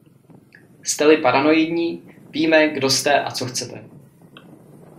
Jste-li paranoidní, víme, kdo jste a co chcete.